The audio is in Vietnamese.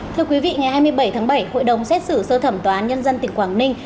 thưa quý vị ngày hai mươi bảy tháng bảy hội đồng xét xử sơ thẩm tòa án nhân dân tỉnh quảng ninh